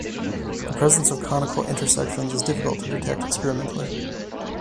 The presence of conical intersections is difficult to detect experimentally.